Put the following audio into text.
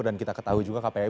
dan kita ketahui juga kpai